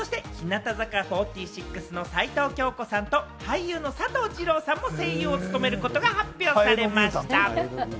そして日向坂４６の齊藤京子さんと俳優の佐藤二朗さんも声優を務めることが発表されました。